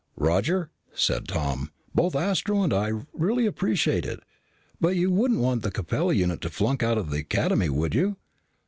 "Roger," said Tom, "both Astro and I really appreciate it. But you wouldn't want the Capella unit to flunk out of the Academy, would you?"